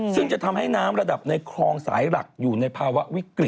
ซึ่งจะทำให้น้ำระดับในคลองสายหลักอยู่ในภาวะวิกฤต